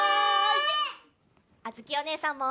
あづきおねえさんも！